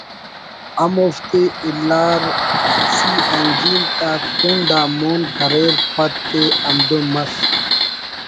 ہم اوفتے اِلار سی این جی تا کنڈ آ مون کریر پد تے ہندن مس